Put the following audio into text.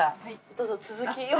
どうぞ続きを。